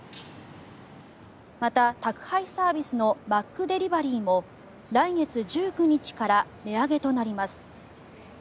また、宅配サービスのマックデリバリーも来月１９日から値上げとなります。